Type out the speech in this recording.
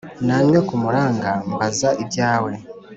Nanyuze ku muranga ,mbaza ibyawe